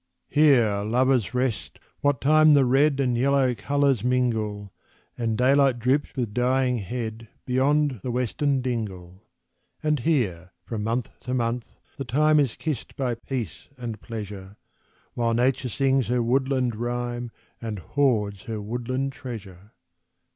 Here lovers rest, what time the red And yellow colours mingle, And daylight droops with dying head Beyond the western dingle. And here, from month to month, the time Is kissed by peace and pleasure, While Nature sings her woodland rhyme And hoards her woodland treasure.